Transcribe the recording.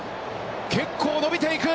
結構伸びていく。